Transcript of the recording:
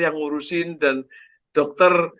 yang ngurusin dan dokter